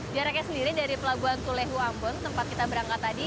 jaraknya sendiri dari pelabuhan tulehu ambon tempat kita berangkat tadi